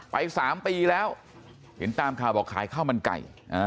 ไป๓ปีแล้วเห็นตามข่าวบอกขายข้าวมันไก่